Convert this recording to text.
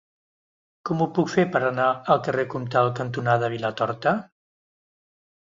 Com ho puc fer per anar al carrer Comtal cantonada Vilatorta?